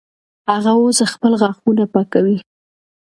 هغه اوس خپل غاښونه پاکوي.